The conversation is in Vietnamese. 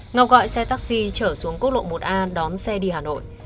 ngọc gọi xe taxi trở xuống quốc lộ một a đón xe đi hà nội